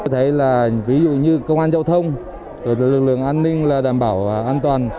thấy là ví dụ như công an giao thông lực lượng an ninh là đảm bảo an toàn